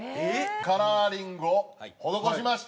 カラーリングを施しました。